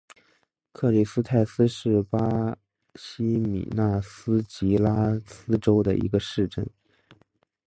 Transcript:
克里斯泰斯是巴西米纳斯吉拉斯州的一个市镇。